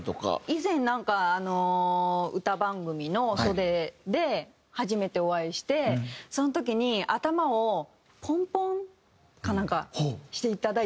以前なんか歌番組の袖で初めてお会いしてその時に頭をポンポンかなんかしていただいたんですよ。